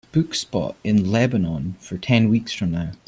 book spot in Lebanon for ten weeks from now